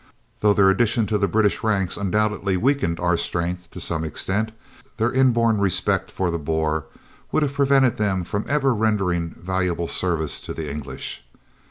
Though their addition to the British ranks undoubtedly weakened our strength to some extent, their inborn respect for the Boer would have prevented them from ever rendering valuable services to the English.